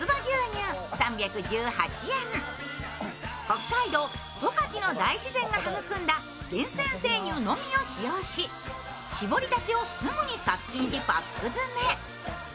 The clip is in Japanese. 北海道十勝の大自然が育んだ厳選生乳のみを使用し搾りたてをすぐに殺菌し、パック詰め。